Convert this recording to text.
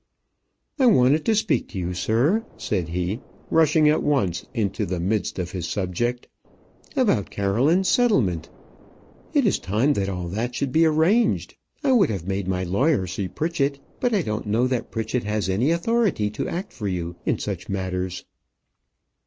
"I wanted to speak to you, sir," said he, rushing at once into the midst of his subject, "about Caroline's settlement. It is time that all that should be arranged. I would have made my lawyer see Pritchett; but I don't know that Pritchett has any authority to act for you in such matters."